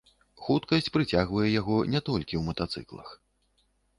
Хуткасць прыцягвае яго не толькі ў матацыклах.